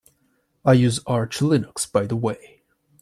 I use Arch Linux by the way.